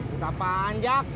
duit apaan jak